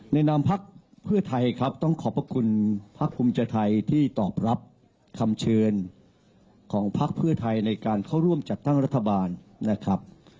ในนามพรรคภูมิเจอร์ไทยครับต้องขอบคุณพรรคภูมิเจอร์ไทยที่ตอบรับคำเชิญของพรรคภูมิเจอร์ไทยในการเข้าร่วมจัดทั้งรัฐบาลนะครับ